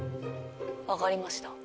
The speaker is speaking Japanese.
分かりました。